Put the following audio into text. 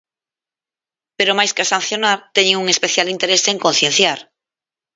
Pero, máis ca sancionar, teñen un especial interese en concienciar.